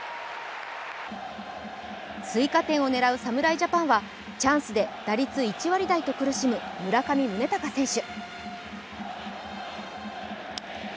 追加点を狙う侍ジャパンは、チャンスで打率１割台と苦しむ村上宗隆選手。